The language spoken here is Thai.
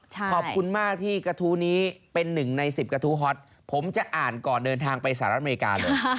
ขอบคุณมากที่กระทู้นี้เป็นหนึ่งในสิบกระทู้ฮอตผมจะอ่านก่อนเดินทางไปสหรัฐอเมริกาเลย